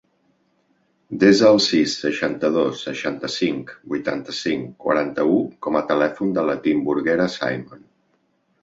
Desa el sis, seixanta-dos, seixanta-cinc, vuitanta-cinc, quaranta-u com a telèfon de la Timburguera Simon.